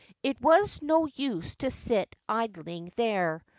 It was no nse to sit idling theie.